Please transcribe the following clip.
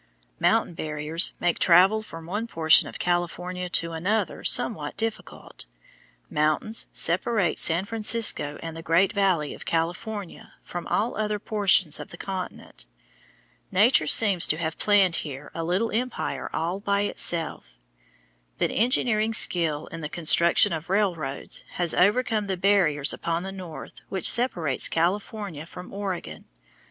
Mountain barriers make travel from one portion of California to another somewhat difficult. Mountains separate San Francisco and the Great Valley of California from all other portions of the continent. Nature seems to have planned here a little empire all by itself. But engineering skill in the construction of railroads has overcome the barrier upon the north which separates California from Oregon.